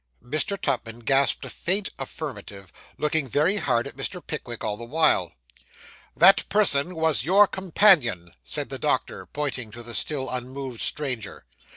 Mr. Tupman gasped a faint affirmative, looking very hard at Mr. Pickwick all the while. 'That person was your companion,' said the doctor, pointing to the still unmoved stranger. Mr.